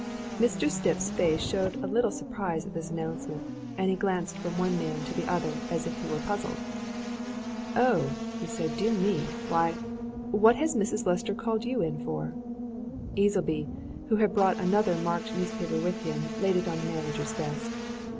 Mr. Stipp's face showed a little surprise at this announcement, and he glanced from one man to the other as if he were puzzled. "Oh!" he said. "Dear me! Why what has Mrs. Lester called you in for?" Easleby, who had brought another marked newspaper with him, laid it on the manager's desk.